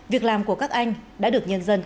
việc làm của các anh đã được nhân dân